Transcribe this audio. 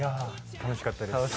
楽しかったです。